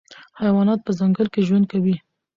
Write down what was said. حیوانات په ځنګل کې ژوند کوي.